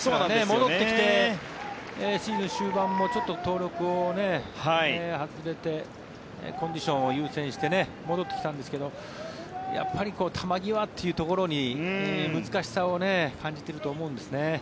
戻ってきて、シーズン終盤もちょっと登録を外れてコンディションを優先して戻ってきたんですけどやっぱり球際というところに難しさを感じてると思うんですね。